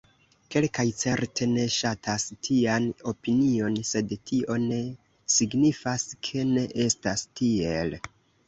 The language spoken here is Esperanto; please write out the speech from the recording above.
Kelkaj certe ne ŝatas tian opinion, sed tio ne signifas, ke ne estas tiel.